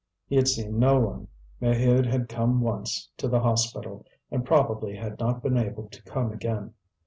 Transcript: He had seen no one; Maheude had come once to the hospital, and, probably, had not been able to come again.